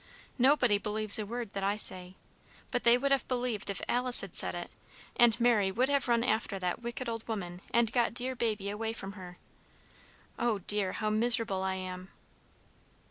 "Nobody believes a word that I say. But they would have believed if Alice had said it, and Mary would have run after that wicked old woman, and got dear baby away from her. Oh dear, how miserable I am!"